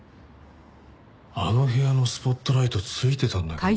あの部屋のスポットライトついてたんだけどな。